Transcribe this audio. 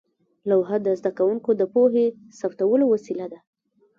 لوحه د زده کوونکو د پوهې ثبتولو وسیله وه.